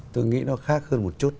tôi nghĩ nó khác hơn một chút